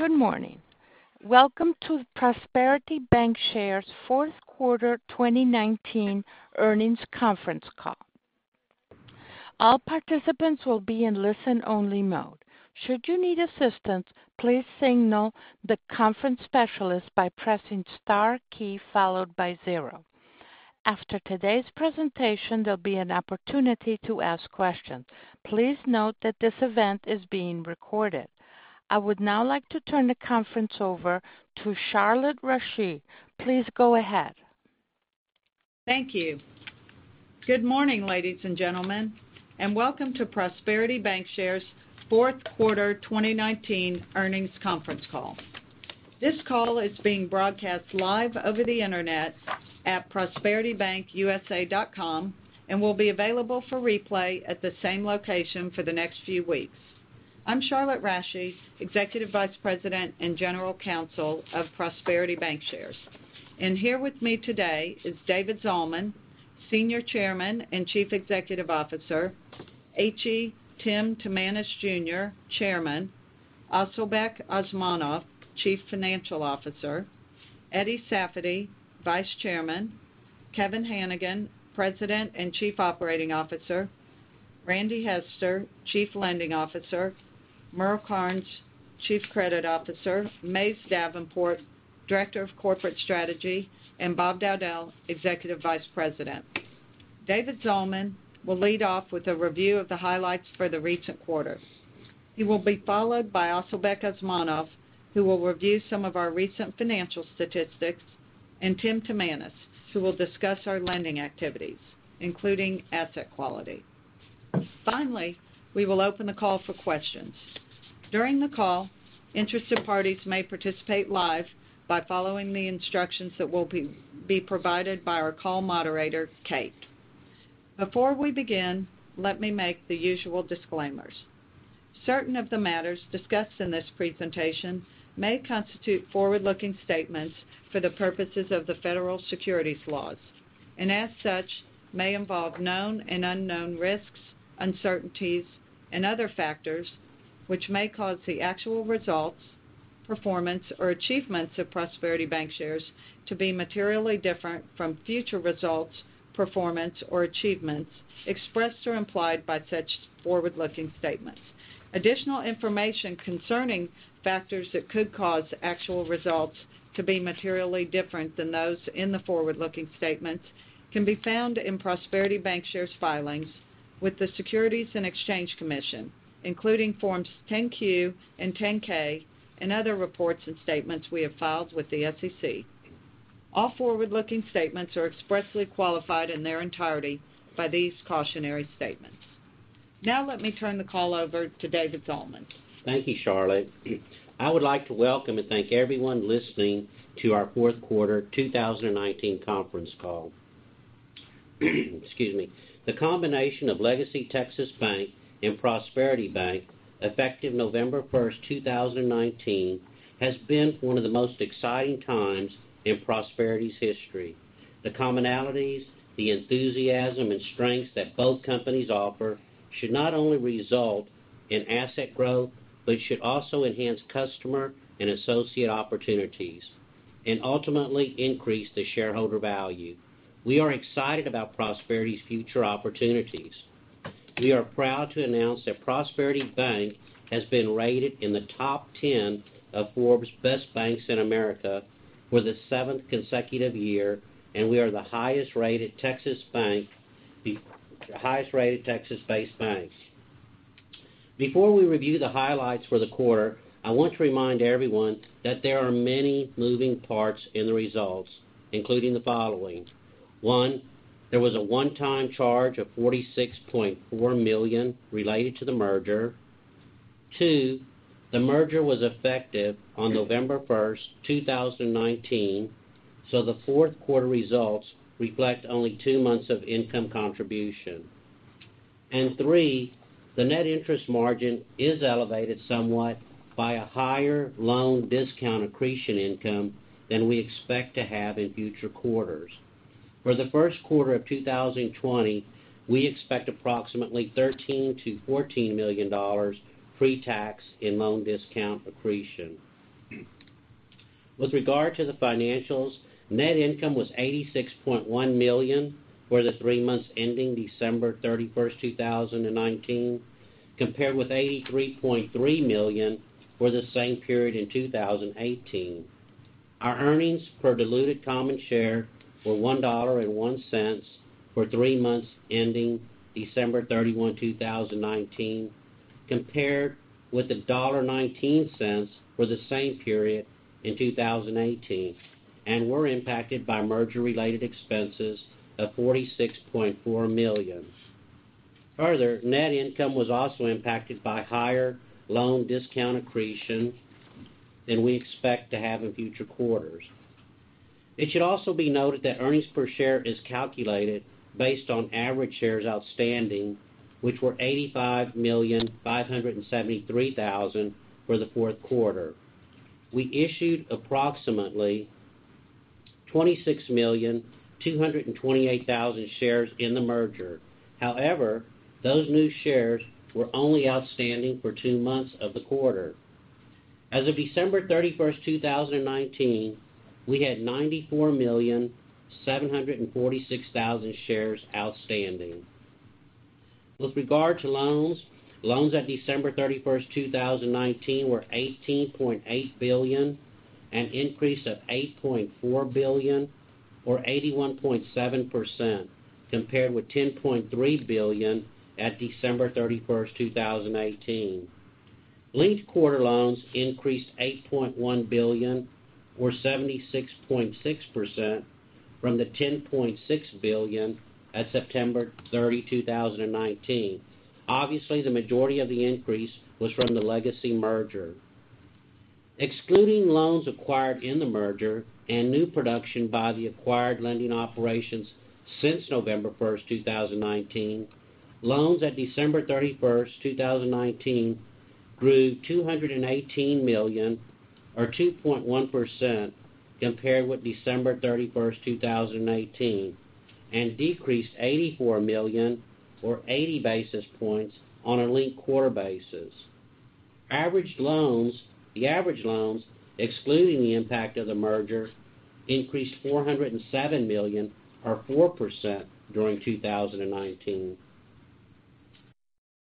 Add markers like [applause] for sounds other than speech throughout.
Good morning. Welcome to Prosperity Bancshares' fourth quarter 2019 earnings conference call. All participants will be in listen-only mode. Should you need assistance, please signal the conference specialist by pressing star key followed by zero. After today's presentation, there'll be an opportunity to ask questions. Please note that this event is being recorded. I would now like to turn the conference over to Charlotte Rasche. Please go ahead. Thank you. Good morning, ladies and gentlemen, and welcome to Prosperity Bancshares' fourth quarter 2019 earnings conference call. This call is being broadcast live over the internet at prosperitybankusa.com and will be available for replay at the same location for the next few weeks. I'm Charlotte Rasche, Executive Vice President and General Counsel of Prosperity Bancshares. Here with me today is David Zalman, Senior Chairman and Chief Executive Officer, H.E. Tim Timanus, Jr., Chairman, Asylbek Osmonov, Chief Financial Officer, Eddie Safady, Vice Chairman, Kevin Hanigan, President and Chief Operating Officer, Randy Hester, Chief Lending Officer, Merle Karnes, Chief Credit Officer, Mays Davenport, Director of Corporate Strategy, and Bob Dowdell, Executive Vice President. David Zalman will lead off with a review of the highlights for the recent quarter. He will be followed by Asylbek Osmonov, who will review some of our recent financial statistics, and Tim Timanus, who will discuss our lending activities, including asset quality. Finally, we will open the call for questions. During the call, interested parties may participate live by following the instructions that will be provided by our call moderator, Kate. Before we begin, let me make the usual disclaimers. Certain of the matters discussed in this presentation may constitute forward-looking statements for the purposes of the federal securities laws, and as such, may involve known and unknown risks, uncertainties and other factors, which may cause the actual results, performance, or achievements of Prosperity Bancshares to be materially different from future results, performance, or achievements expressed or implied by such forward-looking statements. Additional information concerning factors that could cause actual results to be materially different than those in the forward-looking statements can be found in Prosperity Bancshares' filings with the Securities and Exchange Commission, including forms 10-Q and 10-K and other reports and statements we have filed with the SEC. All forward-looking statements are expressly qualified in their entirety by these cautionary statements. Let me turn the call over to David Zalman. Thank you, Charlotte. I would like to welcome and thank everyone listening to our fourth quarter 2019 conference call. Excuse me. The combination of LegacyTexas Bank and Prosperity Bank, effective November 1st, 2019, has been one of the most exciting times in Prosperity's history. The commonalities, the enthusiasm, and strengths that both companies offer should not only result in asset growth, but should also enhance customer and associate opportunities, and ultimately increase the shareholder value. We are excited about Prosperity's future opportunities. We are proud to announce that Prosperity Bank has been rated in the top 10 of Forbes America's Best Banks for the seventh consecutive year, and we are the highest-rated Texas-based banks. Before we review the highlights for the quarter, I want to remind everyone that there are many moving parts in the results, including the following. One, there was a one-time charge of $46.4 million related to the merger. Two, the merger was effective on November 1st, 2019, so the fourth quarter results reflect only two months of income contribution. Three, the net interest margin is elevated somewhat by a higher loan discount accretion income than we expect to have in future quarters. For the first quarter of 2020, we expect approximately $13 million-$14 million pre-tax in loan discount accretion. With regard to the financials, net income was $86.1 million for the three months ending December 31st, 2019, compared with $83.3 million for the same period in 2018. Our earnings per diluted common share were $1.01 for three months ending December 31, 2019, compared with $1.19 for the same period in 2018, and were impacted by merger-related expenses of $46.4 million. Net income was also impacted by higher loan discount accretion than we expect to have in future quarters. It should also be noted that earnings per share is calculated based on average shares outstanding, which were 85,573,000 for the fourth quarter. We issued approximately 26,228,000 shares in the merger. Those new shares were only outstanding for two months of the quarter. As of December 31st, 2019, we had 94,746,000 shares outstanding. With regard to loans at December 31st, 2019, were $18.8 billion, an increase of $8.4 billion or 81.7%, compared with $10.3 billion at December 31st, 2018. Linked quarter loans increased $8.1 billion or 76.6% from the $10.6 billion at September 30, 2019. Obviously, the majority of the increase was from the Legacy merger. Excluding loans acquired in the merger and new production by the acquired lending operations since November 1st, 2019, loans at December 31st, 2019, grew $218 million or 2.1%, compared with December 31st, 2018, and decreased $84 million or 80 basis points on a linked quarter basis. The average loans, excluding the impact of the merger, increased $407 million or 4% during 2019.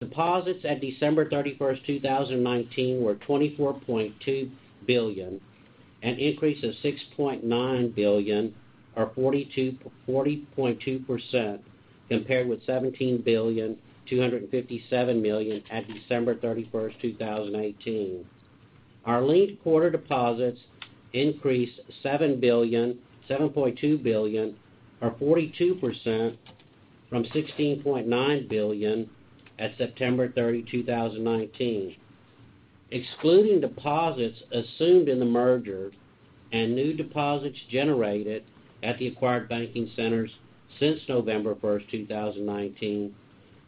Deposits at December 31st, 2019, were $24.2 billion, an increase of $6.9 billion or 40.2%, compared with $17,257,000,000 at December 31st, 2018. Our linked quarter deposits increased $7.2 billion or 42%, from $16.9 billion at September 30, 2019. Excluding deposits assumed in the merger and new deposits generated at the acquired banking centers since November 1st, 2019,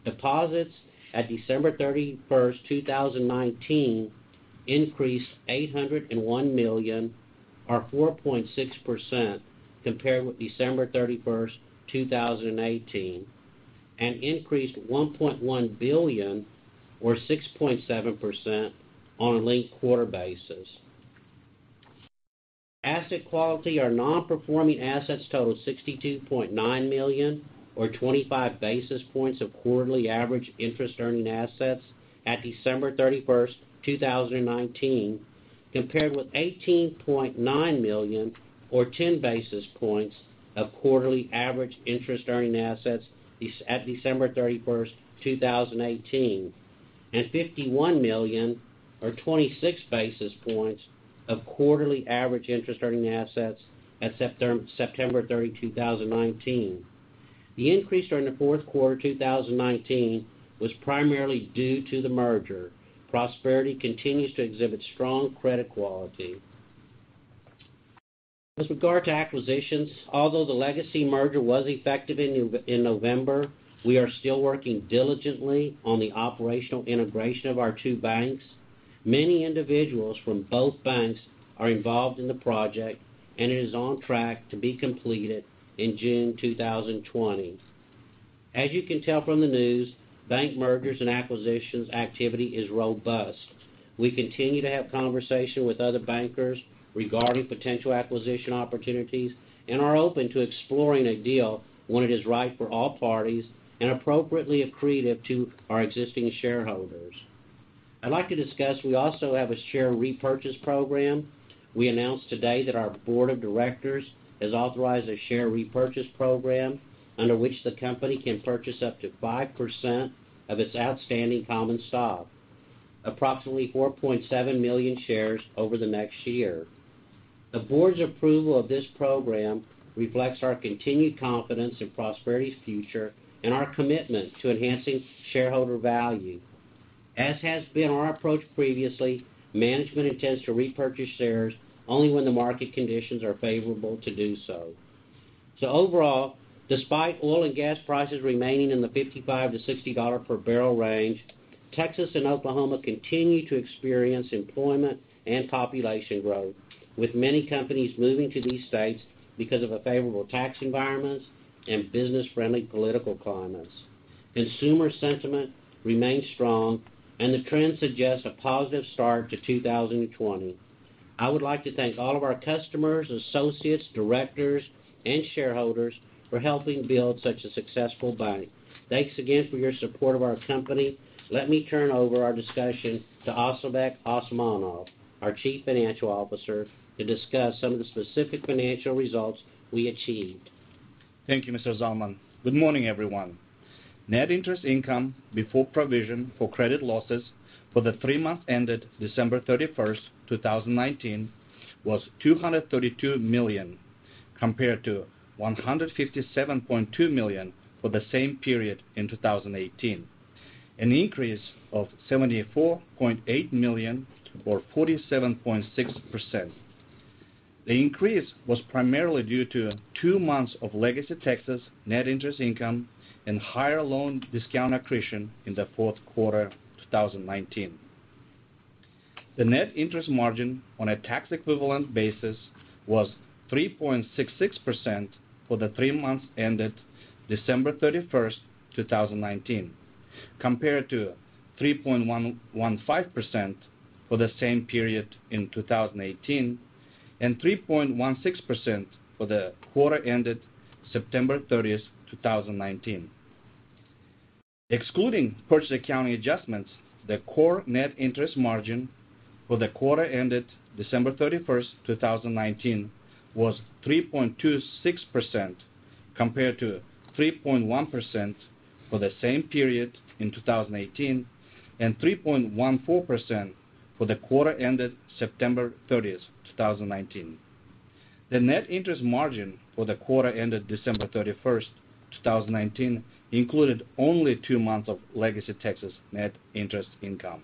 deposits at December 31st, 2019, increased $801 million or 4.6%, compared with December 31st, 2018, and increased $1.1 billion or 6.7% on a linked quarter basis. Asset quality or non-performing assets totaled $62.9 million or 25 basis points of quarterly average interest-earning assets at December 31, 2019, compared with $18.9 million or 10 basis points of quarterly average interest-earning assets at December 31, 2018, and $51 million or 26 basis points of quarterly average interest-earning assets at September 30, 2019. The increase during the fourth quarter 2019 was primarily due to the merger. Prosperity continues to exhibit strong credit quality. With regard to acquisitions, although the Legacy merger was effective in November, we are still working diligently on the operational integration of our two banks. Many individuals from both banks are involved in the project, and it is on track to be completed in June 2020. As you can tell from the news, bank mergers and acquisitions activity is robust. We continue to have conversation with other bankers regarding potential acquisition opportunities and are open to exploring a deal when it is right for all parties and appropriately accretive to our existing shareholders. We also have a share repurchase program. We announced today that our board of directors has authorized a share repurchase program under which the company can purchase up to 5% of its outstanding common stock, approximately 4.7 million shares over the next year. The board's approval of this program reflects our continued confidence in Prosperity's future and our commitment to enhancing shareholder value. As has been our approach previously, management intends to repurchase shares only when the market conditions are favorable to do so. Overall, despite oil and gas prices remaining in the $55-$60 per barrel range, Texas and Oklahoma continue to experience employment and population growth, with many companies moving to these states because of a favorable tax environment and business-friendly political climates. Consumer sentiment remains strong, the trend suggests a positive start to 2020. I would like to thank all of our customers, associates, directors, and shareholders for helping build such a successful bank. Thanks again for your support of our company. Let me turn over our discussion to Asylbek Osmonov, our Chief Financial Officer, to discuss some of the specific financial results we achieved. Thank you, Mr. Zalman. Good morning, everyone. Net interest income before provision for credit losses for the three months ended December 31st, 2019, was $232 million, compared to $157.2 million for the same period in 2018, an increase of $74.8 million or 47.6%. The increase was primarily due to two months of LegacyTexas net interest income and higher loan discount accretion in the fourth quarter 2019. The net interest margin on a tax equivalent basis was 3.66% for the three months ended December 31st, 2019, compared to 3.15% for the same period in 2018, and 3.16% for the quarter ended September 30th, 2019. Excluding purchase accounting adjustments, the core net interest margin for the quarter ended December 31st, 2019, was 3.26%, compared to 3.1% for the same period in 2018 and 3.14% for the quarter ended September 30th, 2019. The net interest margin for the quarter ended December 31st, 2019, included only two months of LegacyTexas net interest income.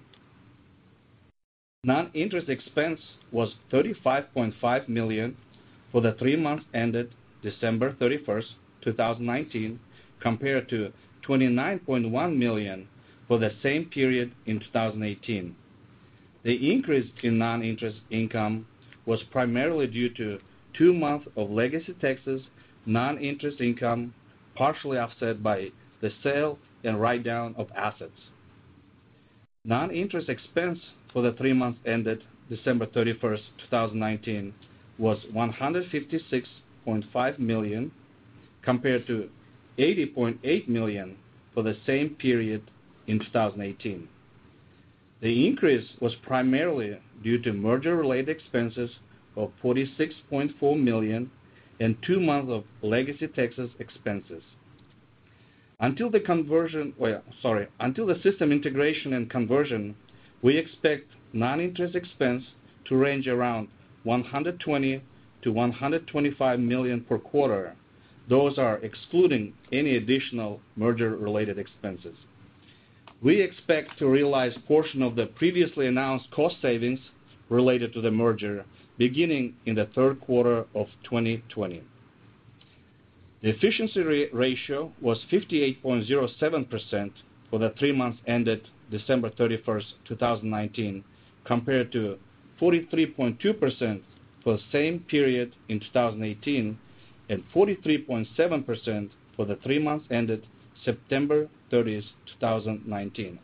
Non-interest expense was $35.5 million for the three months ended December 31st, 2019, compared to $29.1 million for the same period in 2018. The increase in non-interest income was primarily due to two months of LegacyTexas non-interest income, partially offset by the sale and write-down of assets. Non-interest expense for the three months ended December 31st, 2019, was $156.5 million compared to $80.8 million for the same period in 2018. The increase was primarily due to merger-related expenses of $46.4 million and two months of LegacyTexas expenses. Until the system integration and conversion, we expect non-interest expense to range around $120 million-$125 million per quarter. Those are excluding any additional merger-related expenses. We expect to realize portion of the previously announced cost savings related to the merger beginning in the third quarter of 2020. The efficiency ratio was 58.07% for the three months ended December 31st, 2019, compared to 43.2% for the same period in 2018 and 43.7% for the three months ended September 30th, 2019.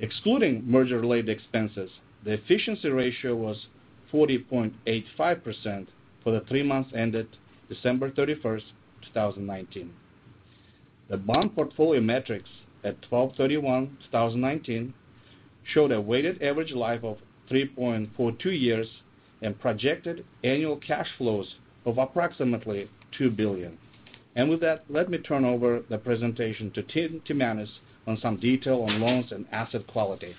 Excluding merger-related expenses, the efficiency ratio was 40.85% for the three months ended December 31st, 2019. The bond portfolio metrics at 12/31/2019 showed a weighted average life of 3.42 years and projected annual cash flows of approximately $2 billion. With that, let me turn over the presentation to Tim Timanus on some detail on loans and asset quality.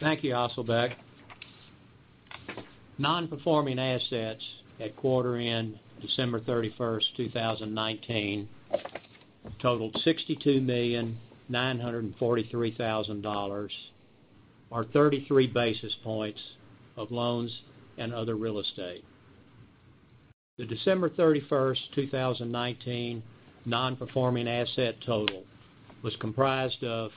Thank you, Asylbek. Non-performing assets at quarter end December 31st, 2019, totaled $62,943,000, or 33 basis points of loans and other real estate. The December 31st, 2019, non-performing asset total was comprised of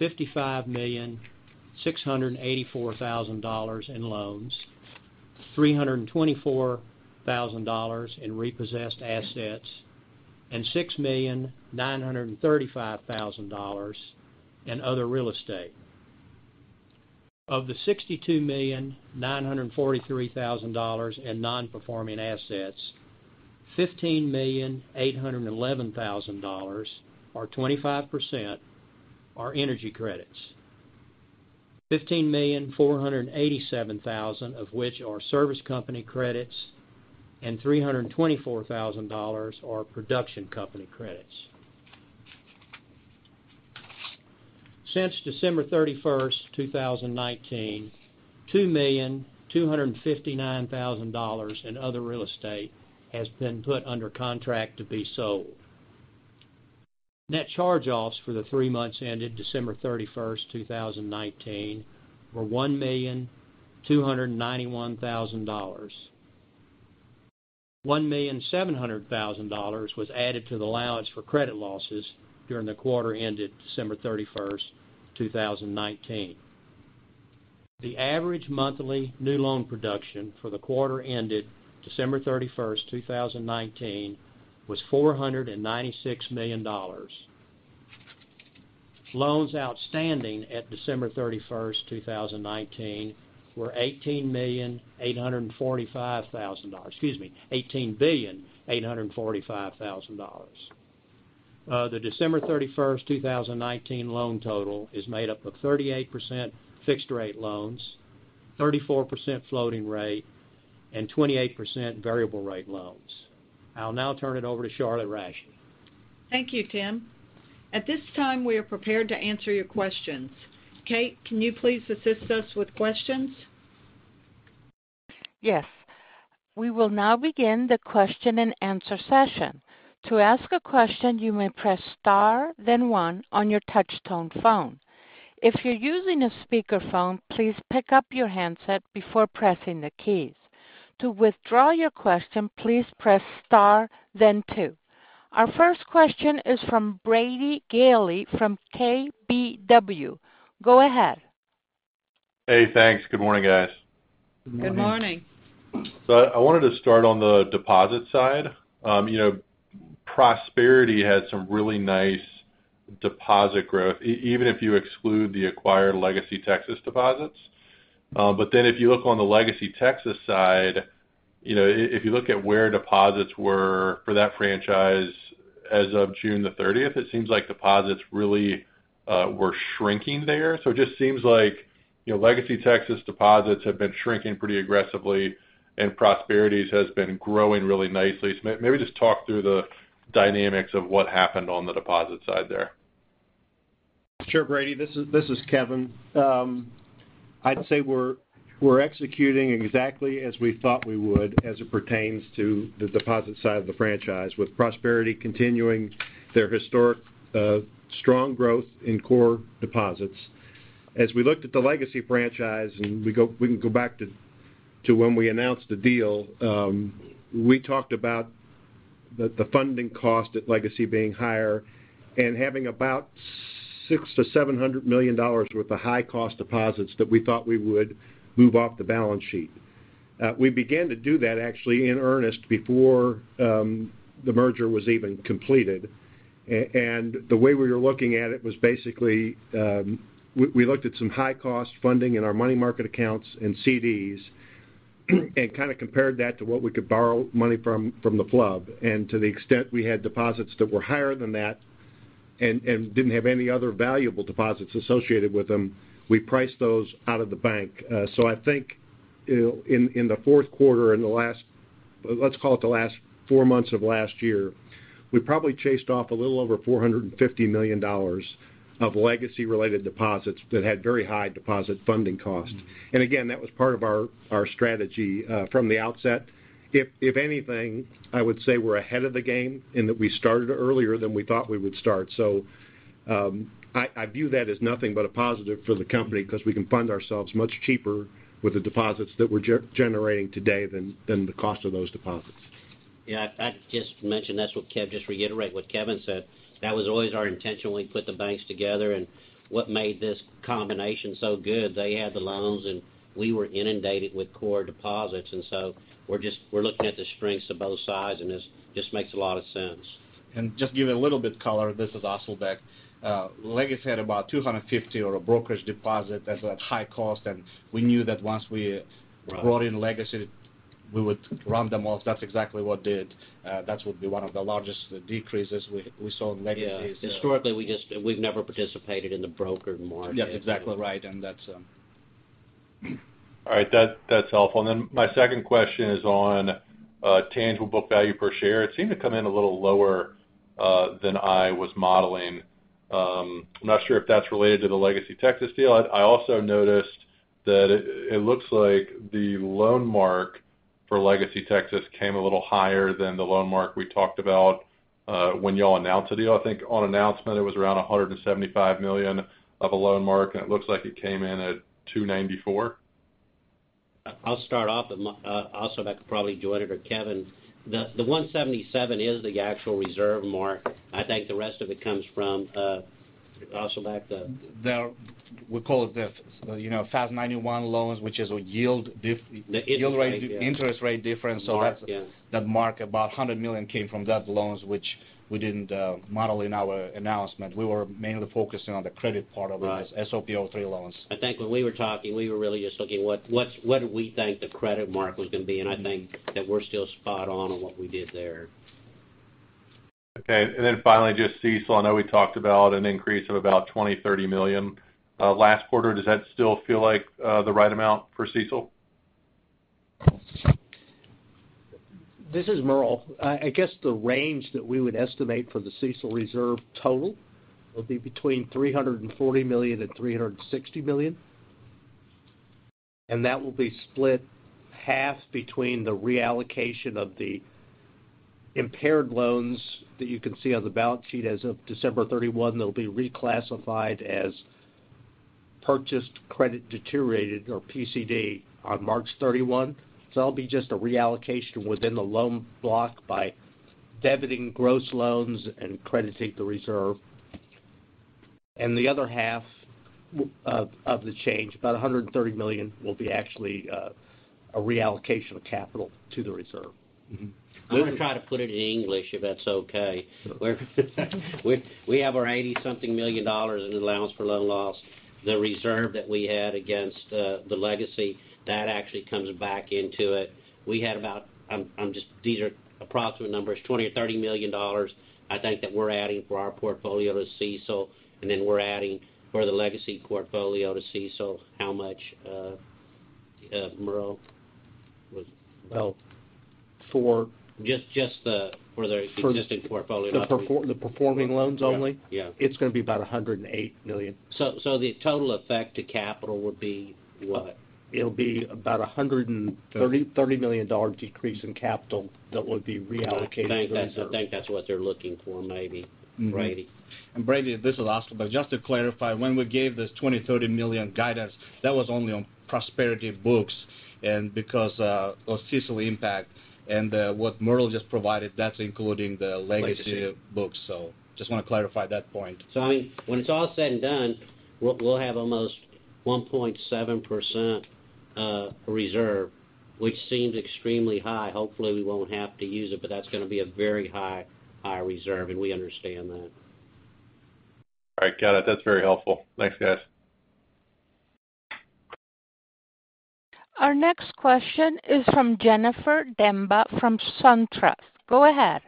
$55,684,000 in loans, $324,000 in repossessed assets, and $6,935,000 in other real estate. Of the $62,943,000 in non-performing assets, $15,811,000, or 25%, are energy credits, $15,487,000 of which are service company credits, and $324,000 are production company credits. Since December 31st, 2019, $2,259,000 in other real estate has been put under contract to be sold. Net charge-offs for the three months ended December 31st, 2019, were $1,291,000. $1,700,000 was added to the allowance for credit losses during the quarter ended December 31st, 2019. The average monthly new loan production for the quarter ended December 31st, 2019, was $496 million. Loans outstanding at December 31st, 2019, were $18,845,000, excuse me, $18,000,845,000. The December 31st, 2019, loan total is made up of 38% fixed rate loans, 34% floating rate, and 28% variable rate loans. I'll now turn it over to Charlotte Rasche. Thank you, Tim. At this time, we are prepared to answer your questions. Kate, can you please assist us with questions? Yes. We will now begin the question-and-answer session. To ask a question, you may press star then one on your touchtone phone. If you're using a speakerphone, please pick up your handset before pressing the keys. To withdraw your question, please press star then two. Our first question is from Brady Gailey from KBW. Go ahead. Hey, thanks. Good morning, guys. Good morning. Good morning. I wanted to start on the deposit side. Prosperity had some really nice deposit growth, even if you exclude the acquired LegacyTexas deposits. If you look on the LegacyTexas side, if you look at where deposits were for that franchise as of June the 30th, it seems like deposits really were shrinking there. It just seems like LegacyTexas deposits have been shrinking pretty aggressively, and Prosperity's has been growing really nicely. Maybe just talk through the dynamics of what happened on the deposit side there. Sure, Brady. This is Kevin. I'd say we're executing exactly as we thought we would as it pertains to the deposit side of the franchise, with Prosperity continuing their historic strong growth in core deposits. We looked at the Legacy franchise, and we can go back to when we announced the deal, we talked about the funding cost at Legacy being higher and having about $600 million-$700 million worth of high-cost deposits that we thought we would move off the balance sheet. We began to do that actually in earnest before the merger was even completed. The way we were looking at it was basically, we looked at some high-cost funding in our money market accounts and CDs and kind of compared that to what we could borrow money from the FHLB. To the extent we had deposits that were higher than that and didn't have any other valuable deposits associated with them, we priced those out of the bank. I think in the fourth quarter, in the last, let's call it the last four months of last year, we probably chased off a little over $450 million of Legacy-related deposits that had very high deposit funding costs. Again, that was part of our strategy from the outset. If anything, I would say we're ahead of the game in that we started earlier than we thought we would start. I view that as nothing but a positive for the company because we can fund ourselves much cheaper with the deposits that we're generating today than the cost of those deposits. Yeah, I'd just mention, just reiterate what Kevin said. That was always our intention when we put the banks together and what made this combination so good. They had the loans, and we were inundated with core deposits. We're looking at the strengths of both sides, and this just makes a lot of sense. Just give it a little bit color, this is Asylbek. Legacy had about $250 million or a brokerage deposit that's at high cost, we knew that once we. [crosstalk] Right Brought in Legacy, we would run them off. That is exactly what we did. That would be one of the largest decreases we saw in Legacy's. Yeah. Historically, we've never participated in the broker market. Yeah, exactly right. That's All right. That's helpful. My second question is on tangible book value per share. It seemed to come in a little lower than I was modeling. I'm not sure if that's related to the LegacyTexas deal. I also noticed that it looks like the loan mark for LegacyTexas came a little higher than the loan mark we talked about when you all announced the deal. I think on announcement, it was around $175 million of a loan mark. It looks like it came in at $294 million. I'll start off, and Asylbek could probably do it or Kevin. The $177 million is the actual reserve mark. I think the rest of it comes from, Asylbek? We call it the FAS 91 loans, which is a yield. [crosstalk] The interest rate, yeah. Interest rate difference. [crosstalk] Mark, yeah. That mark, about $100 million came from the loans, which we didn't model in our announcement. We were mainly focusing on the credit part of it. Right. SOP 03 loans. I think when we were talking, we were really just looking what do we think the credit mark was going to be, and I think that we're still spot on, on what we did there. Okay. Finally, just CECL. I know we talked about an increase of about $20 million-$30 million last quarter. Does that still feel like the right amount for CECL? This is Merle. I guess the range that we would estimate for the CECL reserve total will be between $340 million and $360 million. That will be split half between the reallocation of the impaired loans that you can see on the balance sheet as of December 31. They'll be reclassified as purchased credit deteriorated, or PCD, on March 31. That'll be just a reallocation within the loan block by debiting gross loans and crediting the reserve. The other half of the change, about $130 million, will be actually a reallocation of capital to the reserve. We're going to try to put it in English, if that's okay. We have our $80 something million in allowance for credit losses. The reserve that we had against the Legacy, that actually comes back into it. These are approximate numbers, $20 million or $30 million I think that we're adding for our portfolio to CECL, and then we're adding for the Legacy portfolio to CECL. How much, Merle? Well. Just for the existing portfolio. The performing loans only? Yeah. It's going to be about $108 million. The total effect to capital would be what? It'll be about $130 million decrease in capital that would be reallocated to the reserve. I think that's what they're looking for maybe, Brady. Brady, this is Asylbek. Just to clarify, when we gave this $20 million, $30 million guidance, that was only on Prosperity books and because of CECL impact. What Merle just provided, that's including the Legacy. [crosstalk] Legacy. [crosstalk] books. Just want to clarify that point. I mean, when it's all said and done, we'll have almost 1.7%. A reserve which seems extremely high. Hopefully, we won't have to use it. That's going to be a very high reserve, and we understand that. All right, got it. That's very helpful. Thanks, guys. Our next question is from Jennifer Demba from SunTrust. Go ahead.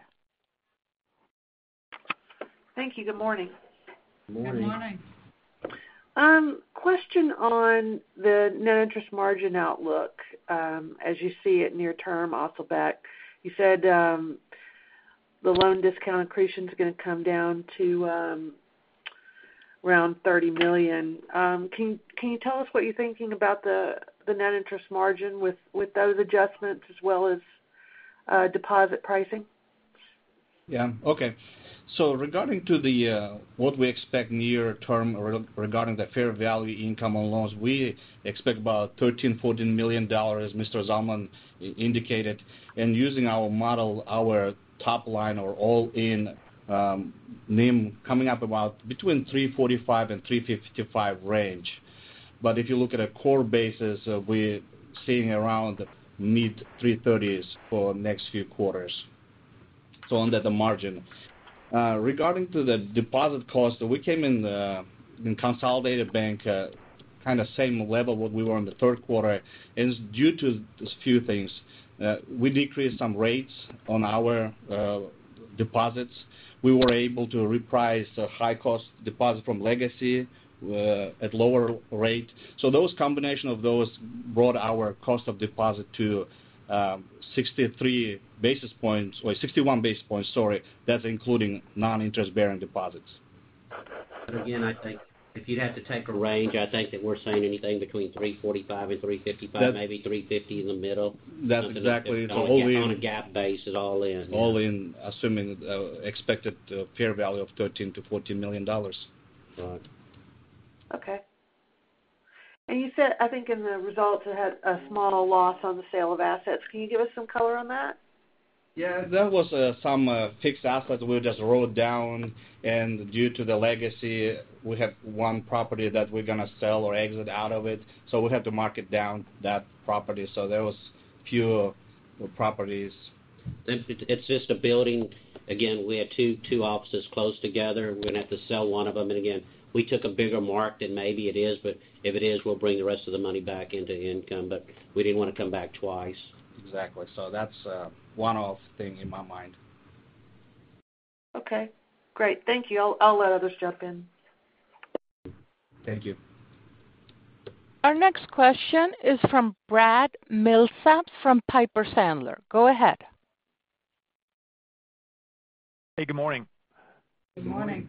Thank you. Good morning. Morning. Good morning. Question on the net interest margin outlook. As you see it near term, Asylbek, you said the loan discount accretion is going to come down to around $30 million. Can you tell us what you're thinking about the net interest margin with those adjustments as well as deposit pricing? Regarding to what we expect near term regarding the fair value income on loans, we expect about $13 million, $14 million, as Mr. Zalman indicated. Using our model, our top line or all-in NIM coming up about between 3.45% and 3.55% range. If you look at a core basis, we're seeing around mid-3.30%s for next few quarters, so under the margin. Regarding to the deposit cost, we came in the consolidated bank kind of same level what we were in the third quarter, it's due to just few things. We decreased some rates on our deposits. We were able to reprice high-cost deposit from Legacy at lower rate. Those combination of those brought our cost of deposit to 63 basis points or 61 basis points, sorry. That's including non-interest-bearing deposits. Again, I think if you had to take a range, I think that we're saying anything between 3.45% and 3.55%, maybe 3.50% in the middle. That's exactly. It's all in. On a GAAP basis, all in, yeah. All in, assuming expected fair value of $13 million-$14 million. Right. Okay. You said, I think in the results, it had a small loss on the sale of assets. Can you give us some color on that? Yeah, that was some fixed assets we just wrote down, and due to the Legacy, we have one property that we're going to sell or exit out of it. We have to market down that property. That was few properties. It's just a building. We had two offices close together. We're going to have to sell one of them. Again, we took a bigger mark than maybe it is. If it is, we'll bring the rest of the money back into income. We didn't want to come back twice. Exactly. That's a one-off thing in my mind. Okay, great. Thank you. I'll let others jump in. Thank you. Our next question is from Brad Milsaps from Piper Sandler. Go ahead. Hey, good morning. Good morning. Good morning.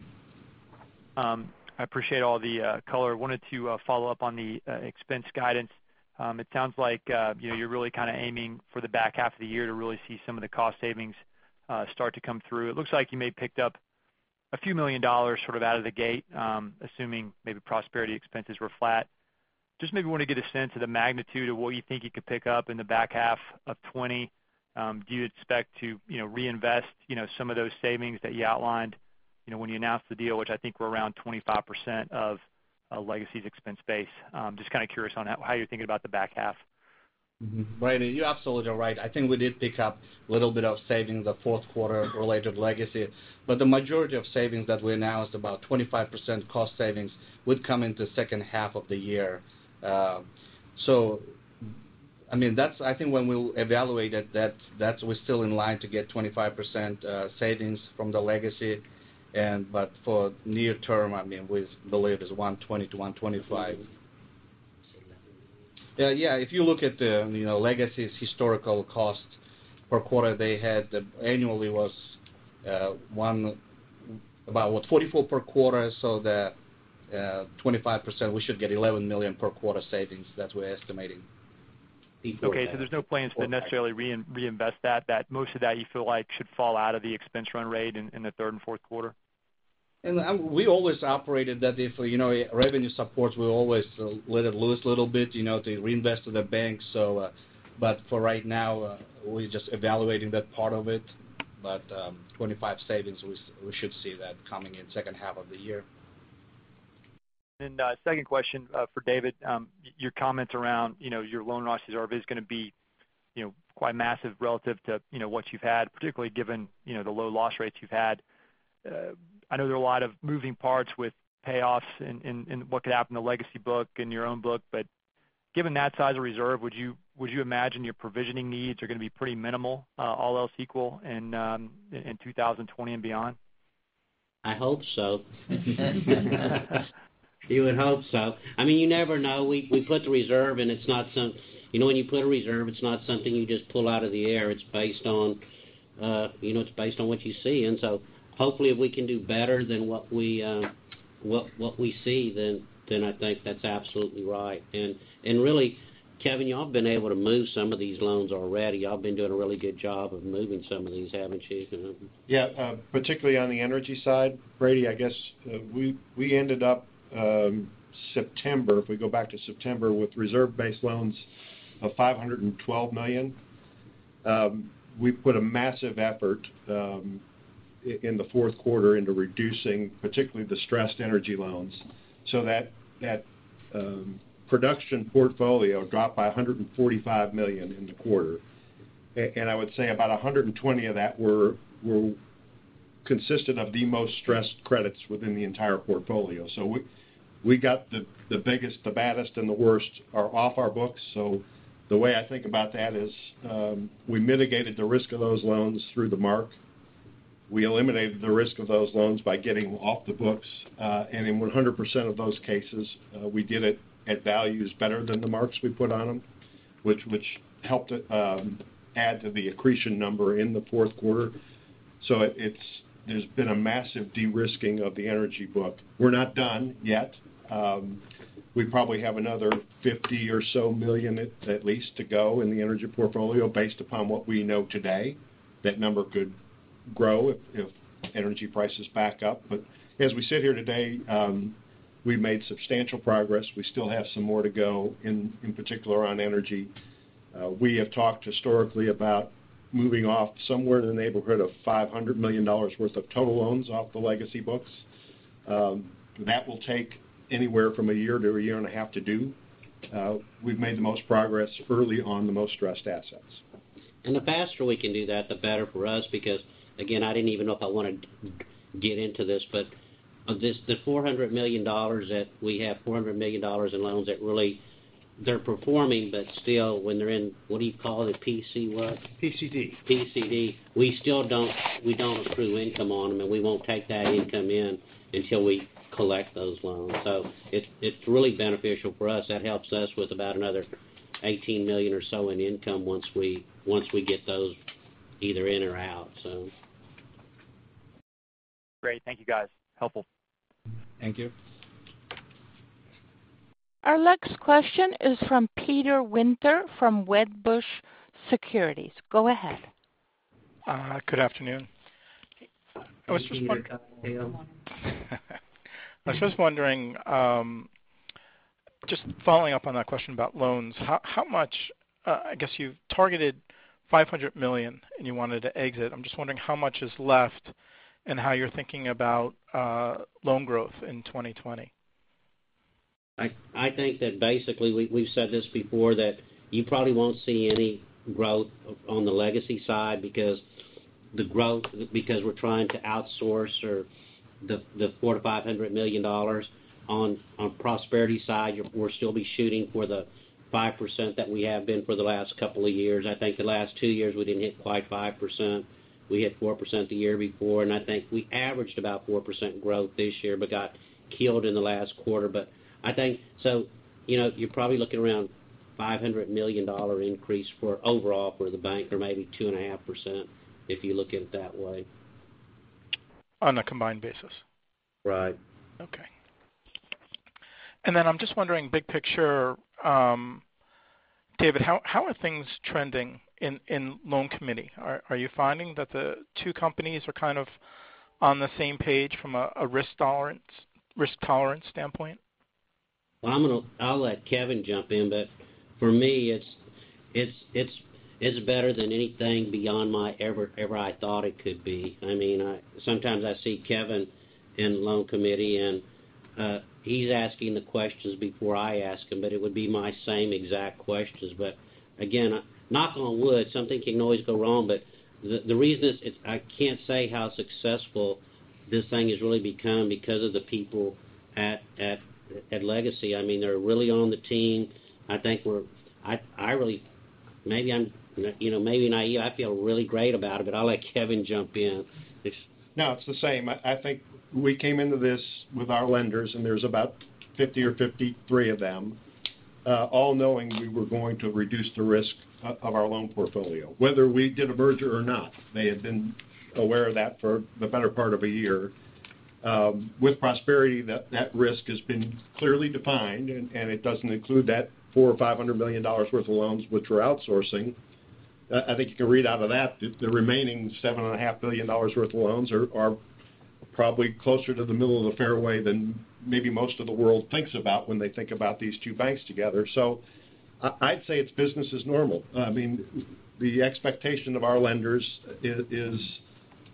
I appreciate all the color. Wanted to follow up on the expense guidance. It sounds like you're really kind of aiming for the back half of the year to really see some of the cost savings start to come through. It looks like you may have picked up a few million dollars sort of out of the gate, assuming maybe Prosperity expenses were flat. Just maybe want to get a sense of the magnitude of what you think you could pick up in the back half of 2020. Do you expect to reinvest some of those savings that you outlined when you announced the deal, which I think were around 25% of Legacy's expense base. Just kind of curious on how you're thinking about the back half. Brady, you absolutely are right. I think we did pick up a little bit of savings the fourth quarter related to Legacy. The majority of savings that we announced, about 25% cost savings, would come in the second half of the year. I think when we evaluated that, we're still in line to get 25% savings from the Legacy. For near term, we believe it's $120 million-$125 millions. Yeah, if you look at Legacy's historical cost per quarter, they had annually was about what? $44 million per quarter, the 25%, we should get $11 million per quarter savings. That's what we're estimating. Okay, there's no plans to necessarily reinvest that? That most of that you feel like should fall out of the expense run rate in the third and fourth quarter? We always operated that if revenue supports, we always let it loose a little bit to reinvest in the Bank. For right now, we're just evaluating that part of it. 25% savings, we should see that coming in second half of the year. Second question for David. Your comment around your loan loss reserve is going to be quite massive relative to what you've had, particularly given the low loss rates you've had. I know there are a lot of moving parts with payoffs and what could happen to Legacy book and your own book. Given that size of reserve, would you imagine your provisioning needs are going to be pretty minimal all else equal in 2020 and beyond? I hope so. You would hope so. You never know. We put the reserve, and when you put a reserve, it's not something you just pull out of the air. It's based on what you see. Hopefully, if we can do better than what we see, then I think that's absolutely right. Really, Kevin, y'all have been able to move some of these loans already. Y'all been doing a really good job of moving some of these, haven't you? Yeah. Particularly on the energy side, Brady, I guess we ended up September, if we go back to September, with reserve-based loans of $512 million. We put a massive effort in the fourth quarter into reducing particularly the stressed energy loans. That production portfolio dropped by $145 million in the quarter. I would say about $120 million of that were consisted of the most stressed credits within the entire portfolio. We got the biggest, the baddest, and the worst are off our books. The way I think about that is, we mitigated the risk of those loans through the mark. We eliminated the risk of those loans by getting off the books. In 100% of those cases, we did it at values better than the marks we put on them, which helped add to the accretion number in the fourth quarter. There's been a massive de-risking of the energy book. We're not done yet. We probably have another $50 million at least to go in the energy portfolio based upon what we know today. That number could grow if energy prices back up. As we sit here today, we've made substantial progress. We still have some more to go, in particular on energy. We have talked historically about moving off somewhere in the neighborhood of $500 million worth of total loans off the Legacy books. That will take anywhere from a year to a year and a half to do. We've made the most progress early on the most stressed assets. The faster we can do that, the better for us because, again, I didn't even know if I wanted to get into this, but of the $400 million that we have, $400 million in loans that really, they're performing, but still when they're in, what do you call it, PCD? PCD. PCD. We still don't accrue income on them, and we won't take that income in until we collect those loans. It's really beneficial for us. That helps us with about another $18 million or so in income once we get those either in or out. Great. Thank you, guys. Helpful. Thank you. Our next question is from Peter Winter from Wedbush Securities. Go ahead. Good afternoon. Peter, you've got the tail on. I was just wondering, just following up on that question about loans. I guess you've targeted $500 million, and you wanted to exit. I'm just wondering how much is left and how you're thinking about loan growth in 2020? I think that basically, we've said this before, that you probably won't see any growth on the Legacy side because we're trying to outsource the $400 million-$500 million. On Prosperity side, we'll still be shooting for the 5% that we have been for the last couple of years. I think the last two years, we didn't hit quite 5%. We hit 4% the year before, and I think we averaged about 4% growth this year but got killed in the last quarter. You're probably looking around $500 million increase for overall for the bank, or maybe 2.5 % if you look at it that way. On a combined basis? Right. Okay. I'm just wondering, big picture, David, how are things trending in loan committee? Are you finding that the two companies are kind of on the same page from a risk tolerance standpoint? I'll let Kevin jump in, but for me, it's better than anything beyond ever I thought it could be. Sometimes I see Kevin in loan committee, and he's asking the questions before I ask them, but it would be my same exact questions. Again, knock on wood, something can always go wrong, but the reason is, I can't say how successful this thing has really become because of the people at Legacy. They're really on the team. Maybe naive, I feel really great about it, but I'll let Kevin jump in. No, it's the same. I think we came into this with our lenders, and there's about 50 or 53 of them, all knowing we were going to reduce the risk of our loan portfolio. Whether we did a merger or not, they had been aware of that for the better part of a year. With Prosperity, that risk has been clearly defined, and it doesn't include that $400 million or $500 million worth of loans, which we're outsourcing. I think you can read out of that, the remaining $7.5 billion worth of loans are probably closer to the middle of the fairway than maybe most of the world thinks about when they think about these two banks together. I'd say it's business as normal. The expectation of our lenders is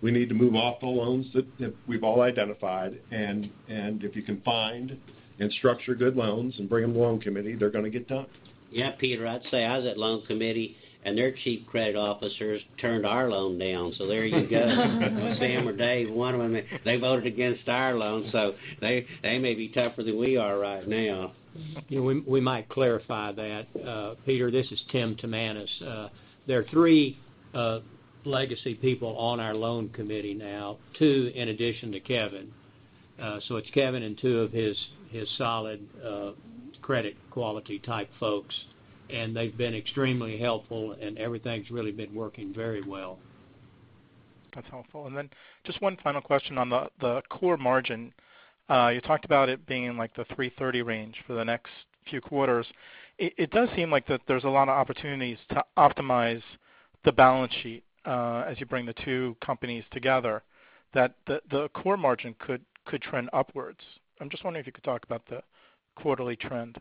we need to move off the loans that we've all identified, and if you can find and structure good loans and bring them to loan committee, they're going to get done. Yeah, Peter, I'd say I was at loan committee, and their chief credit officers turned our loan down, so there you go. Sam or Dave, one of them, they voted against our loan, so they may be tougher than we are right now. We might clarify that. Peter, this is Tim Timanus. There are three Legacy people on our loan committee now, two in addition to Kevin. It's Kevin and two of his solid credit quality type folks, and they've been extremely helpful, and everything's really been working very well. That's helpful. Then just one final question on the core margin. You talked about it being in the 3.30% range for the next few quarters. It does seem like that there's a lot of opportunities to optimize the balance sheet as you bring the two companies together, that the core margin could trend upwards. I'm just wondering if you could talk about the quarterly trend.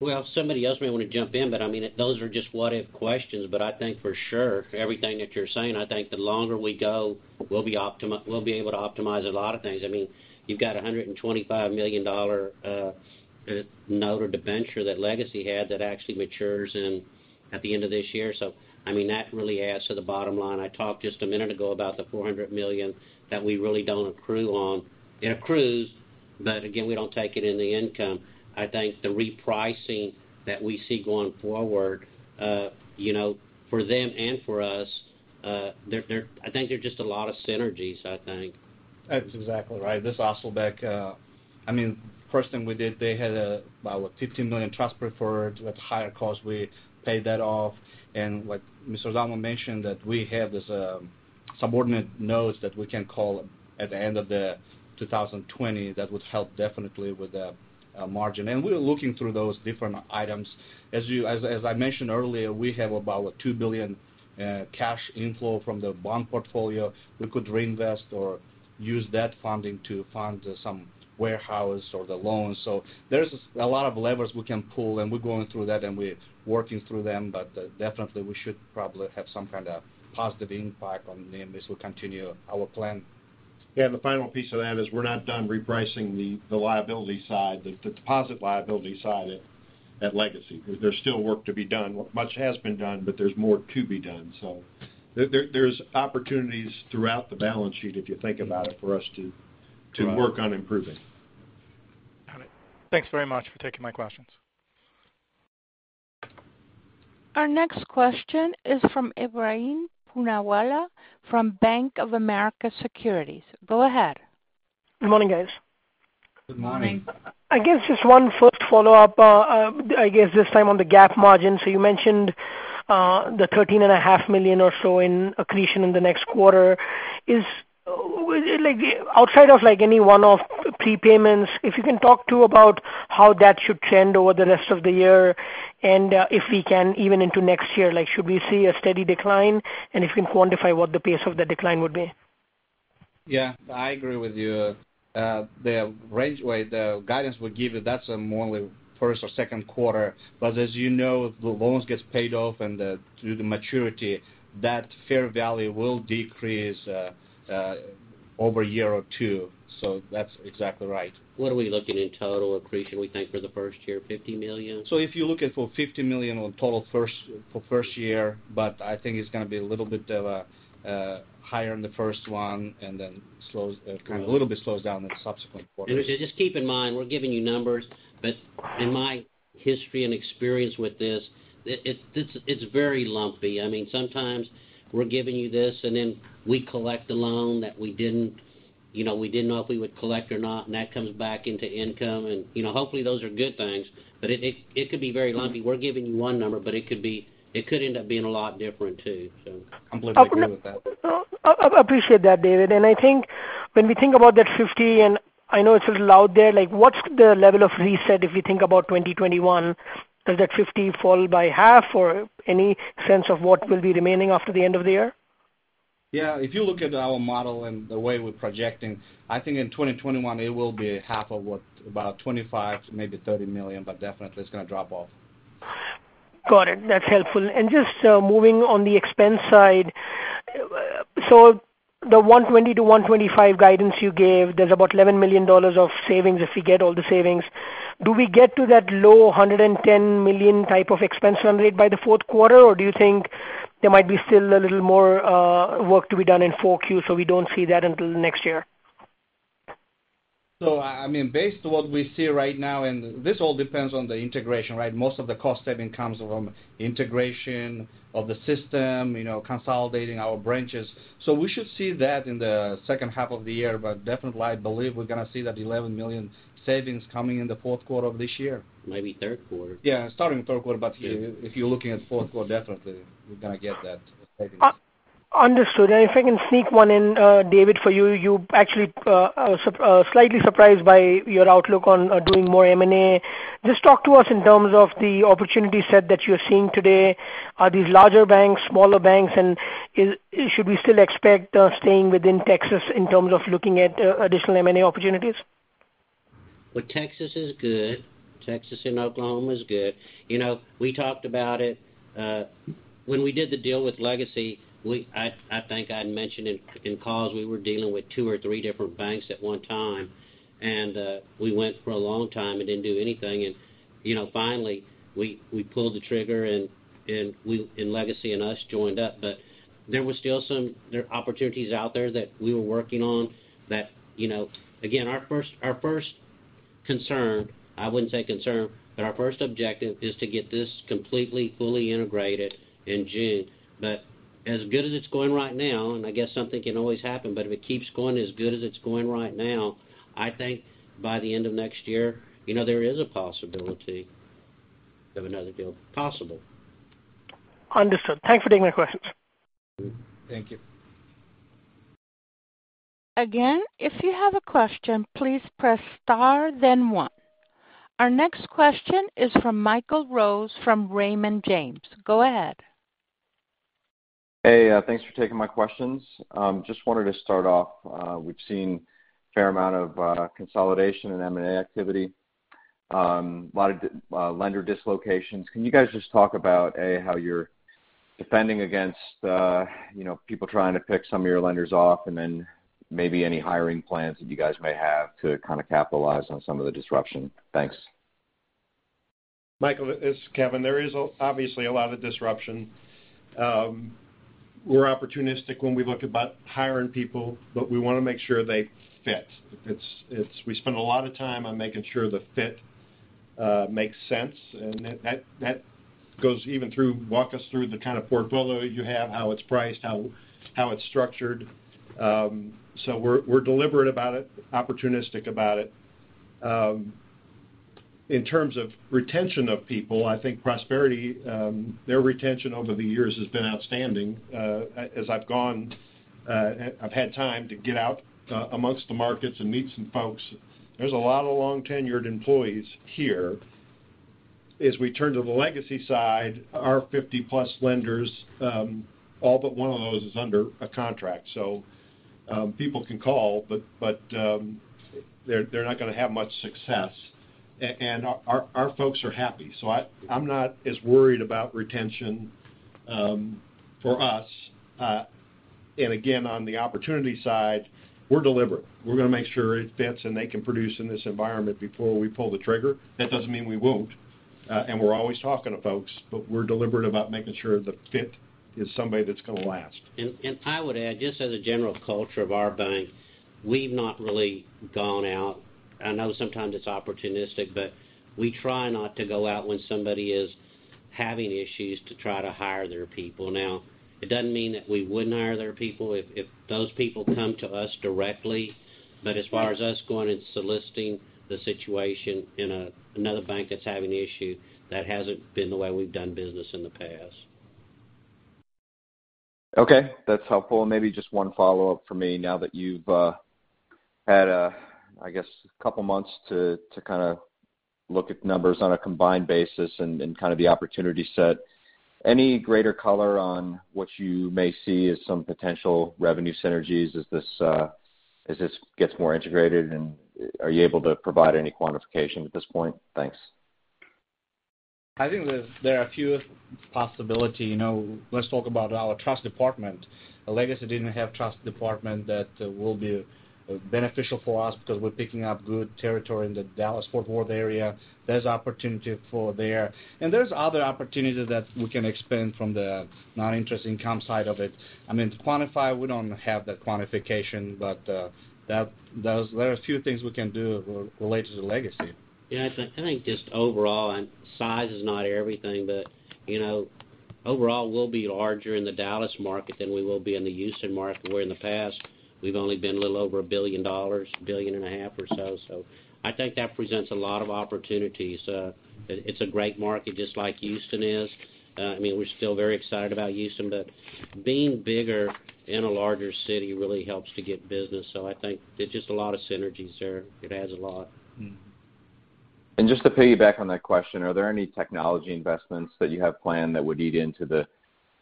Well, somebody else may want to jump in, but those are just what if questions. I think for sure, everything that you're saying, I think the longer we go, we'll be able to optimize a lot of things. You've got $125 million note or debenture that LegacyTexas had that actually matures at the end of this year. That really adds to the bottom line. I talked just a minute ago about the $400 million that we really don't accrue on. It accrues, but again, we don't take it in the income. I think the repricing that we see going forward, for them and for us, I think there are just a lot of synergies, I think. That's exactly right. This is Asylbek. First thing we did, they had about, what, $15 million trust preferred with higher cost. We paid that off. What Mr. Zalman mentioned, that we have this subordinate notes that we can call at the end of 2020, that would help definitely with the margin. We're looking through those different items. As I mentioned earlier, we have about, what, $2 billion cash inflow from the bond portfolio we could reinvest or use that funding to fund some warehouse or the loans. There's a lot of levers we can pull, and we're going through that, and we're working through them. Definitely we should probably have some kind of positive impact on them as we continue our plan. The final piece of that is we're not done repricing the liability side, the deposit liability side at Legacy. There's still work to be done. Much has been done, but there's more to be done. There's opportunities throughout the balance sheet, if you think about it, for us to work on improving. Got it. Thanks very much for taking my questions. Our next question is from Ebrahim Poonawala from Bank of America. Go ahead. Good morning, guys. Good morning. Good morning. I guess just one first follow-up, I guess this time on the GAAP margin. You mentioned the $13.5 million or so in accretion in the next quarter. Outside of any one-off prepayments, if you can talk to about how that should trend over the rest of the year and if we can even into next year, should we see a steady decline, and if you can quantify what the pace of the decline would be? Yeah, I agree with you. The range where the guidance would give you, that's more like first or second quarter. As you know, the loans gets paid off through the maturity. That fair value will decrease over a year or two. That's exactly right. What are we looking in total accretion, we think, for the first year, $50 million? If you're looking for $50 million on total for first year, I think it's going to be a little bit higher in the first one. Okay A little bit slows down in subsequent quarters. Just keep in mind, we're giving you numbers, but in my history and experience with this, it's very lumpy. Sometimes we're giving you this, and then we collect a loan that we didn't know if we would collect or not, and that comes back into income. Hopefully those are good things. It could be very lumpy. We're giving you one number, but it could end up being a lot different too. I completely agree with that. I appreciate that, David. I think when we think about that $50 million, and I know it's a little out there, what's the level of reset if we think about 2021? Does that $50 million fall by half or any sense of what will be remaining after the end of the year? Yeah. If you look at our model and the way we're projecting, I think in 2021 it will be half of what, about $25 million-$30 million, but definitely it's going to drop off. Got it. That's helpful. Just moving on the expense side. The $120 million-$125 million guidance you gave, there's about $11 million of savings if you get all the savings. Do we get to that low $110 million type of expense run rate by the fourth quarter, or do you think there might be still a little more work to be done in 4Q, so we don't see that until next year? Based on what we see right now, and this all depends on the integration, right? Most of the cost saving comes from integration of the system, consolidating our branches. We should see that in the second half of the year, but definitely, I believe we're going to see that $11 million savings coming in the fourth quarter of this year. Maybe third quarter. Yeah, starting third quarter, but if you're looking at fourth quarter, definitely we're going to get that savings. Understood. If I can sneak one in, David, for you. Actually, slightly surprised by your outlook on doing more M&A. Just talk to us in terms of the opportunity set that you're seeing today. Are these larger banks, smaller banks, and should we still expect staying within Texas in terms of looking at additional M&A opportunities? Well, Texas is good. Texas and Oklahoma is good. When we did the deal with Legacy, I think I'd mentioned in calls, we were dealing with two or three different banks at one time, and we went for a long time and didn't do anything. Finally, we pulled the trigger, and Legacy and us joined up. There were still some opportunities out there that we were working on that, again, our first objective is to get this completely, fully integrated in June. As good as it's going right now, and I guess something can always happen, but if it keeps going as good as it's going right now, I think by the end of next year, there is a possibility of another deal possible. Understood. Thanks for taking my questions. Thank you. Again, if you have a question, please press star then one. Our next question is from Michael Rose, from Raymond James. Go ahead. Hey, thanks for taking my questions. Just wanted to start off. We've seen a fair amount of consolidation in M&A activity, a lot of lender dislocations. Can you guys just talk about, A, how you're defending against people trying to pick some of your lenders off, and then maybe any hiring plans that you guys may have to kind of capitalize on some of the disruption? Thanks. Michael, it's Kevin. There is obviously a lot of disruption. We're opportunistic when we look about hiring people, but we want to make sure they fit. We spend a lot of time on making sure the fit makes sense, and that goes even through walk us through the kind of portfolio you have, how it's priced, how it's structured. We're deliberate about it, opportunistic about it. In terms of retention of people, I think Prosperity, their retention over the years has been outstanding. As I've gone, I've had time to get out amongst the markets and meet some folks. There's a lot of long-tenured employees here. As we turn to the Legacy side, our 50+ lenders, all but one of those is under a contract. People can call, but they're not going to have much success. Our folks are happy. I'm not as worried about retention for us. Again, on the opportunity side, we're deliberate. We're going to make sure it fits and they can produce in this environment before we pull the trigger. That doesn't mean we won't. We're always talking to folks, but we're deliberate about making sure the fit is somebody that's going to last. I would add, just as a general culture of our bank, we've not really gone out, I know sometimes it's opportunistic, but we try not to go out when somebody is having issues to try to hire their people. Now, it doesn't mean that we wouldn't hire their people if those people come to us directly. As far as us going and soliciting the situation in another bank that's having an issue, that hasn't been the way we've done business in the past. Okay, that's helpful. Maybe just one follow-up from me now that you've had, I guess, a couple of months to kind of look at numbers on a combined basis and kind of the opportunity set. Any greater color on what you may see as some potential revenue synergies as this gets more integrated? Are you able to provide any quantification at this point? Thanks. I think there are a few possibilities. Let's talk about our trust department. Legacy didn't have trust department that will be beneficial for us because we're picking up good territory in the Dallas-Fort Worth area. There's opportunity there. There's other opportunities that we can expand from the non-interest income side of it. To quantify, we don't have that quantification, but there are a few things we can do related to LegacyTexas Bank. Yeah, I think just overall, and size is not everything, but overall we'll be larger in the Dallas market than we will be in the Houston market, where in the past we've only been a little over $1 billion, $1.5 billion or so. I think that presents a lot of opportunities. It's a great market, just like Houston is. We're still very excited about Houston, but being bigger in a larger city really helps to get business. I think there's just a lot of synergies there. It adds a lot. Just to piggyback on that question, are there any technology investments that you have planned that would eat into the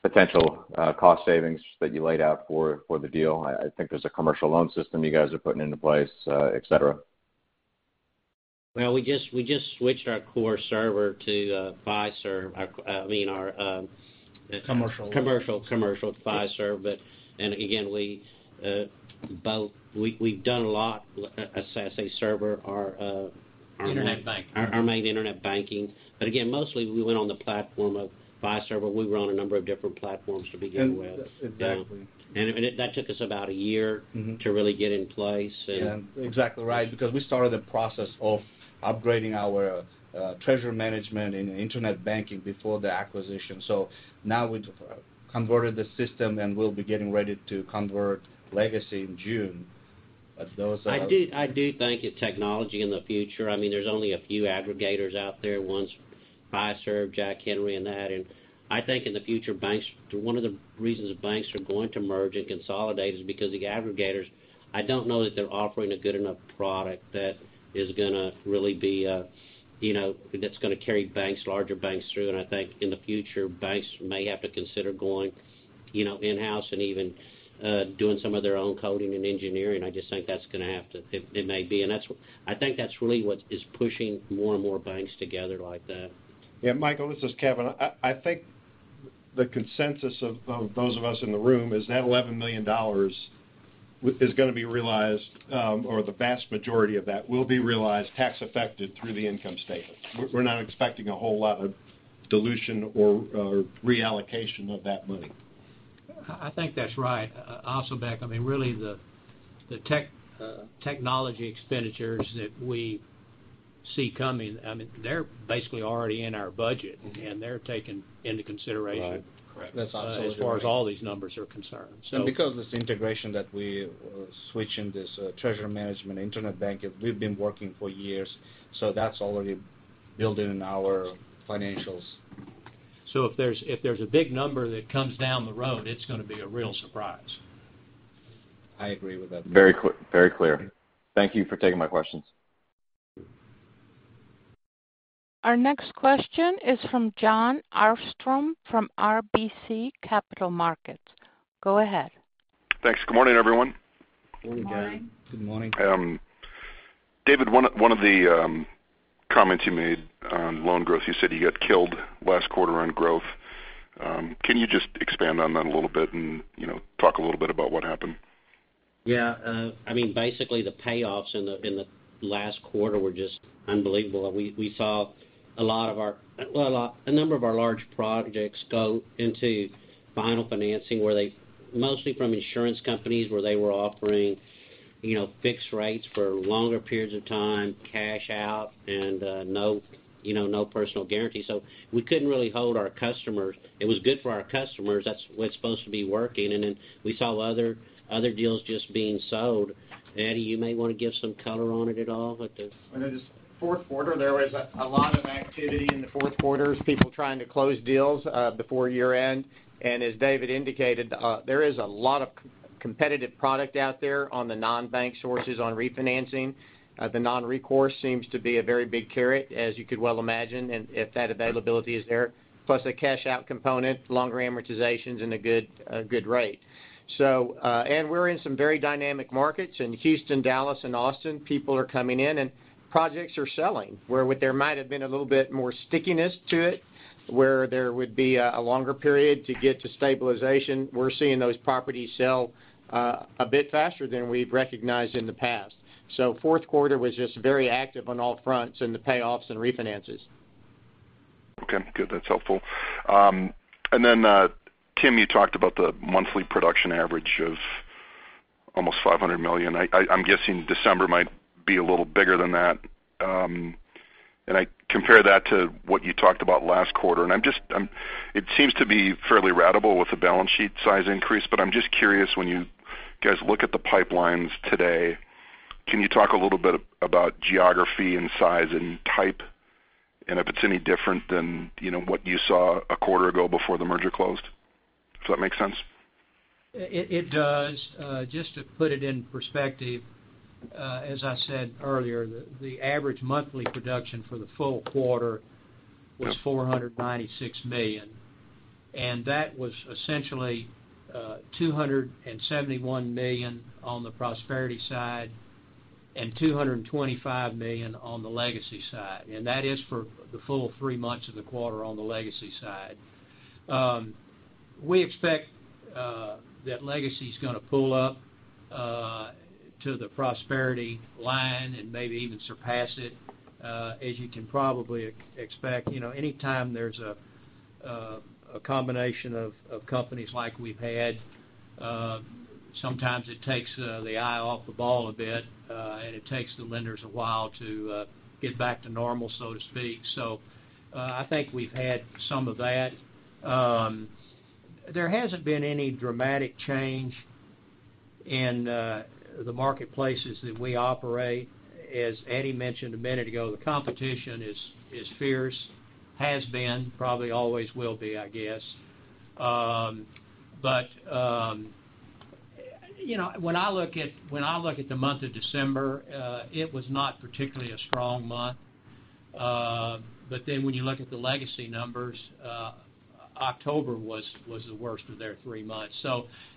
potential cost savings that you laid out for the deal? I think there's a commercial loan system you guys are putting into place, et cetera. Well, we just switched our core server to Fiserv. Commercial. Commercial Fiserv. Again, we've done a lot, SaaS server. Internet banking. Our main internet banking. Again, mostly we went on the platform of Fiserv, but we were on a number of different platforms to begin with. Exactly. That took us about a year to really get in place. Exactly right, because we started the process of upgrading our treasury management and internet banking before the acquisition. Now we've converted the system, and we'll be getting ready to convert Legacy in June. Those are. [crosstalk] I do think with technology in the future, there's only a few aggregators out there. One's Fiserv, Jack Henry, and that. I think in the future, one of the reasons banks are going to merge and consolidate is because the aggregators, I don't know that they're offering a good enough product that's going to carry larger banks through. I think in the future, banks may have to consider going in-house and even doing some of their own coding and engineering. I just think that's going to. It may be. I think that's really what is pushing more and more banks together like that. Yeah, Michael, this is Kevin. I think the consensus of those of us in the room is that $11 million is going to be realized, or the vast majority of that will be realized tax affected through the income statement. We're not expecting a whole lot of dilution or reallocation of that money. I think that's right. Asylbek, really the technology expenditures that we see coming, they're basically already in our budget, and they're taken into consideration. Right. Correct. As far as all these numbers are concerned. Because this integration that we're switching this treasury management internet bank, we've been working for years. That's already built into our financials. If there's a big number that comes down the road, it's going to be a real surprise. I agree with that. Very clear. Thank you for taking my questions. Our next question is from Jon Arfstrom from RBC Capital Markets. Go ahead. Thanks. Good morning, everyone. Good morning. Good morning. David, one of the comments you made on loan growth, you said you got killed last quarter on growth. Can you just expand on that a little bit and talk a little bit about what happened? Yeah. Basically, the payoffs in the last quarter were just unbelievable. We saw a number of our large projects go into final financing, mostly from insurance companies, where they were offering fixed rates for longer periods of time, cash out, and no personal guarantee. We couldn't really hold our customers. It was good for our customers. That's what's supposed to be working. We saw other deals just being sold. Eddie, you may want to give some color on it at all with the In this fourth quarter, there was a lot of activity in the fourth quarter, people trying to close deals before year-end. As David indicated, there is a lot of competitive product out there on the non-bank sources on refinancing. The non-recourse seems to be a very big carrot, as you could well imagine, if that availability is there, plus a cash-out component, longer amortizations, and a good rate. We're in some very dynamic markets in Houston, Dallas, and Austin. People are coming in and projects are selling, where there might have been a little bit more stickiness to it, where there would be a longer period to get to stabilization. We're seeing those properties sell a bit faster than we've recognized in the past. The fourth quarter was just very active on all fronts in the payoffs and refinances. Okay, good. That's helpful. Then, Tim, you talked about the monthly production average of almost $500 million. I'm guessing December might be a little bigger than that. I compare that to what you talked about last quarter, and it seems to be fairly ratable with the balance sheet size increase. I'm just curious, when you guys look at the pipelines today, can you talk a little bit about geography and size and type, and if it's any different than what you saw a quarter ago before the merger closed? Does that make sense? It does. Just to put it in perspective, as I said earlier, the average monthly production for the full quarter was $496 million, and that was essentially $271 million on the Prosperity side and $225 million on the Legacy side. That is for the full three months of the quarter on the Legacy side. We expect that Legacy's going to pull up to the Prosperity line and maybe even surpass it. As you can probably expect, anytime there's a combination of companies like we've had, sometimes it takes the eye off the ball a bit, and it takes the lenders a while to get back to normal, so to speak. I think we've had some of that. There hasn't been any dramatic change in the marketplaces that we operate. As Eddie mentioned a minute ago, the competition is fierce, has been, probably always will be, I guess. When I look at the month of December, it was not particularly a strong month. When you look at the Legacy numbers, October was the worst of their three months.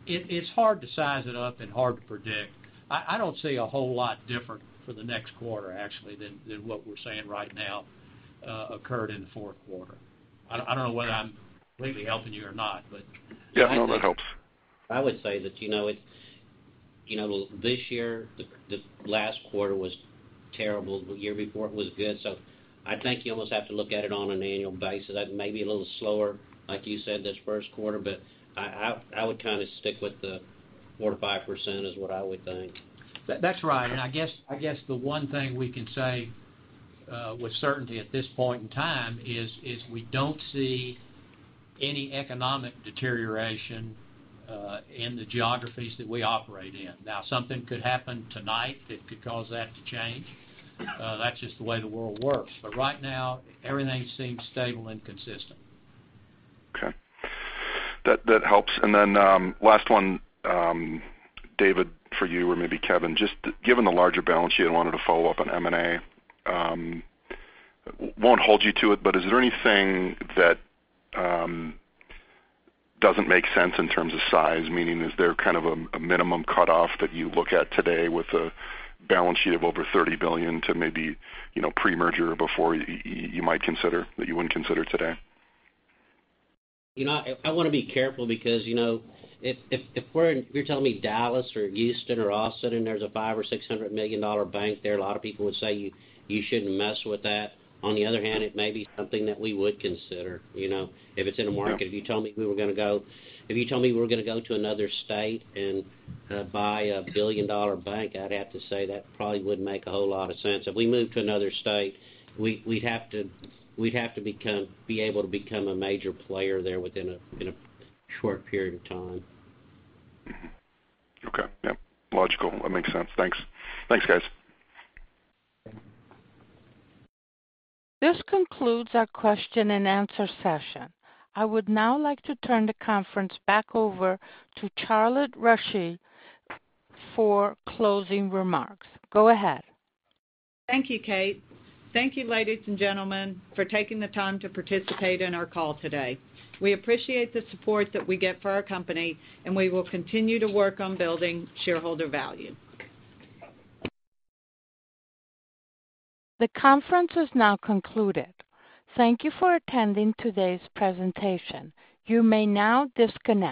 It's hard to size it up and hard to predict. I don't see a whole lot different for the next quarter, actually, than what we're saying right now occurred in the fourth quarter. I don't know whether I'm completely helping you or not. Yeah, no, that helps. I would say that this year, the last quarter was terrible. The year before, it was good. I think you almost have to look at it on an annual basis. That may be a little slower, like you said, this first quarter, but I would stick with the 4%-5%, is what I would think. That's right. I guess the one thing we can say with certainty at this point in time is we don't see any economic deterioration in the geographies that we operate in. Now, something could happen tonight that could cause that to change. That's just the way the world works. Right now, everything seems stable and consistent. Okay. That helps. Last one, David, for you or maybe Kevin, just given the larger balance sheet, I wanted to follow up on M&A. Won't hold you to it, is there anything that doesn't make sense in terms of size? Meaning, is there kind of a minimum cutoff that you look at today with a balance sheet of over $30 billion to maybe pre-merger before you might consider, that you wouldn't consider today? I want to be careful because if you're telling me Dallas or Houston or Austin, and there's a $500 million or $600 million bank there, a lot of people would say you shouldn't mess with that. On the other hand, it may be something that we would consider, if it's in a market. If you told me we were going to go to another state and buy a $1 billion bank, I'd have to say that probably wouldn't make a whole lot of sense. If we move to another state, we'd have to be able to become a major player there within a short period of time. Okay. Yeah. Logical. That makes sense. Thanks. Thanks, guys. This concludes our question-and-answer session. I would now like to turn the conference back over to Charlotte Rasche for closing remarks. Go ahead. Thank you, Kate. Thank you, ladies and gentlemen, for taking the time to participate in our call today. We appreciate the support that we get for our company, and we will continue to work on building shareholder value. The conference has now concluded. Thank you for attending today's presentation. You may now disconnect.